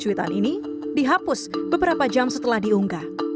cuitan ini dihapus beberapa jam setelah diunggah